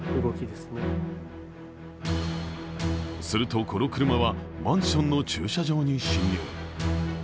するとこの車はマンションの駐車場に進入。